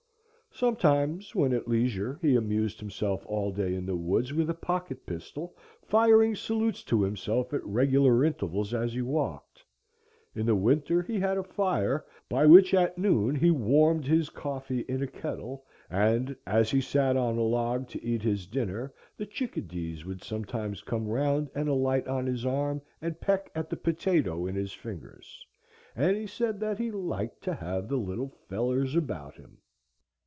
Sometimes, when at leisure, he amused himself all day in the woods with a pocket pistol, firing salutes to himself at regular intervals as he walked. In the winter he had a fire by which at noon he warmed his coffee in a kettle; and as he sat on a log to eat his dinner the chickadees would sometimes come round and alight on his arm and peck at the potato in his fingers; and he said that he "liked to have the little fellers about him."